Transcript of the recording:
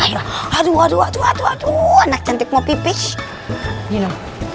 oh saya juga senang banyak tanya tanya sama anda